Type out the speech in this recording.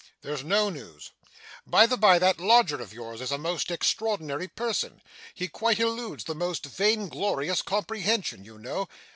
There's no news. By the bye, that lodger of yours is a most extraordinary person. He quite eludes the most vigorous comprehension, you know.